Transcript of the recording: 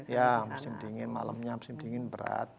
ya musim dingin malamnya musim dingin berat